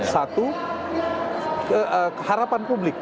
satu harapan publik